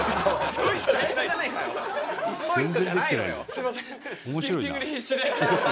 「」「すみません」